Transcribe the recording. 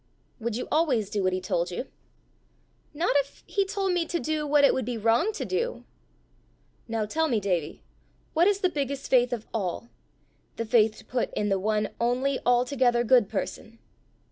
"Would you always do what he told you?" "Not if he told me to do what it would be wrong to do." "Now tell me, Davie, what is the biggest faith of all the faith to put in the one only altogether good person."